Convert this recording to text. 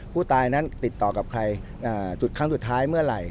ผู้ตายนั้นติดต่อกับใครจุดครั้งสุดท้ายเมื่อไหร่